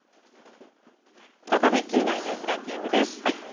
再び気になるニュースランキングです。